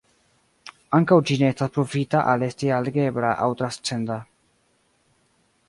Ankaŭ, ĝi ne estas pruvita al esti algebra aŭ transcenda.